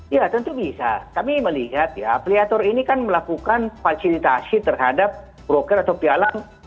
ya tentu bisa kami melihat ya kreator ini kan melakukan fasilitasi terhadap broker atau pialang